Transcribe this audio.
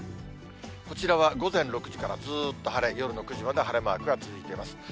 こちらは午前６時からずーっと晴れ、夜の９時まで晴れマークが続いています。